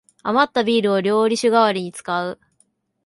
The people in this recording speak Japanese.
あまったビールを料理酒がわりに使う